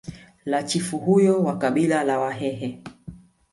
la chifu huyo wa kabila la wahehe